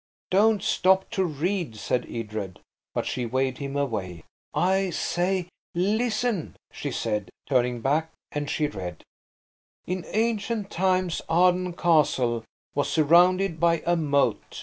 "Don't stop to read," said Edred, but she waved him away. "I say, listen," she said, turning back; and she read– "'In ancient times Arden Castle was surrounded by a moat.